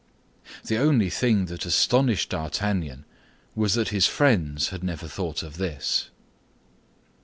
The only thing that astonished D'Artagnan was that his friends had never thought of this.